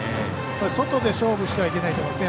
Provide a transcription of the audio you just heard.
外で勝負してはいけないと思います。